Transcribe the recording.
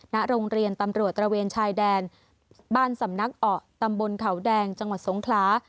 ณโรงเรียนตำรวจตระเวนชายแดนบ้านสำนักอ๋อตำบลเขาแดงจังหวัดสงขลา